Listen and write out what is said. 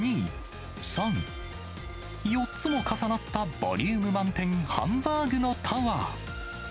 １、２、３、４つも重なったボリューム満点、ハンバーグのタワー。